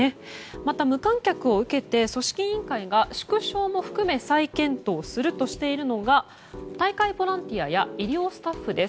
また、無観客を受けて組織委員会が縮小も含め再検討するとしているのが大会ボランティアや医療スタッフです。